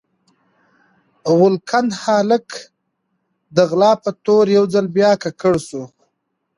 غلګن هالک د غلا په تور يو ځل بيا ککړ سو